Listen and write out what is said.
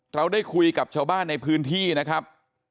เราได้คุยกับชาวบ้านในพื้นที่นะครับ